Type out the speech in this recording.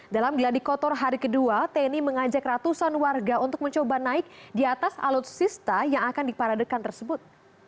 dalam gladi kotor hari kedua tni mengajak ratusan warga untuk mencoba naik di atas alutsista yang akan diparadekan tersebut